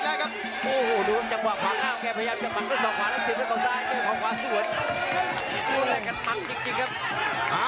เดี๋ยวพยาบาลวางซ้ายเจอเขาซ้าย